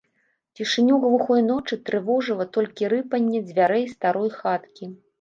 Цішыню глухой ночы трывожыла толькі рыпанне дзвярэй старой хаткі.